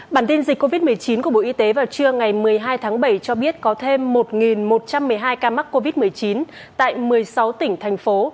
bản tin dịch covid một mươi chín của bộ y tế vào trưa ngày một mươi hai tháng bảy cho biết có thêm một một trăm một mươi hai ca mắc covid một mươi chín tại một mươi sáu tỉnh thành phố